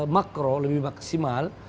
makro lebih maksimal